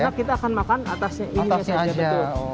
karena kita akan makan atasnya ini aja